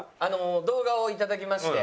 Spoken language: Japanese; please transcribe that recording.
動画を頂きまして。